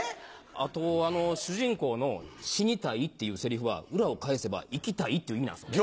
あと主人公の「死にたい」っていうセリフは裏を返せば「生きたい」っていう意味なんですよね。